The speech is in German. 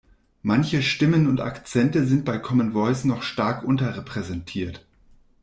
Manche Stimmen und Akzente sind bei Common Voice noch stark unterrepräsentiert.